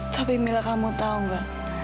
tapi mila kamu tahu nggak